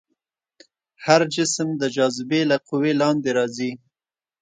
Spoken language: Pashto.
هر جسم د جاذبې له قوې لاندې راځي.